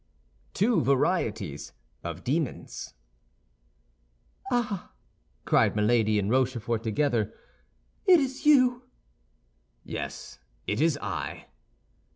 TWO VARIETIES OF DEMONS Ah," cried Milady and Rochefort together, "it is you!" "Yes, it is I."